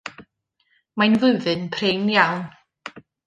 Mae'n wyfyn prin iawn.